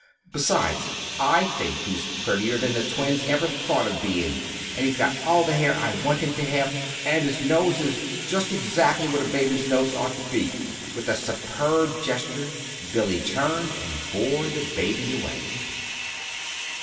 Besides, I think he's prettier than the twins ever thought of being; and he's got all the hair I want him to have, and his nose is just exactly what a baby's nose ought to be!" And, with a superb gesture, Billy turned and bore the baby away.